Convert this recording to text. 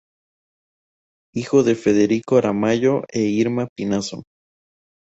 Hijo de Federico Aramayo e Irma Pinazo.